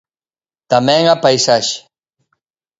Tamén a paisaxe.